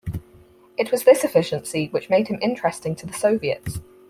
It was this efficiency which made him interesting to the Soviets.